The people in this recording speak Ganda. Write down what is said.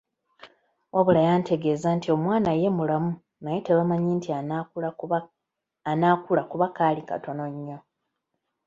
Wabula yantegeeza nti omwana ye mulamu naye tebamanyi nti anaakula kuba kaali katono nnyo.